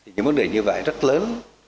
những vấn đề như vậy rất lớn